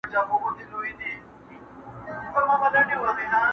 شاهینان وه چي کوترې یې خوړلې؛